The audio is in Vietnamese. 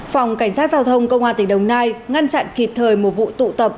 phòng cảnh sát giao thông công an tỉnh đồng nai ngăn chặn kịp thời một vụ tụ tập